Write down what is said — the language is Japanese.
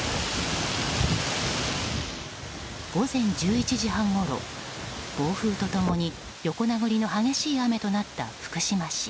午前１１時半ごろ暴風と共に横殴りの激しい雨となった福島市。